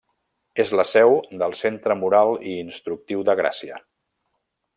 És la seu del Centre Moral i Instructiu de Gràcia.